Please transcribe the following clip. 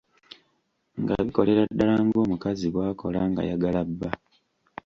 Nga bikolera ddala ng'omukazi bw'akola ng'ayagala bba.